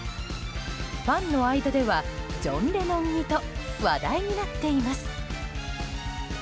ファンの間ではジョン・レノン似と話題になっています。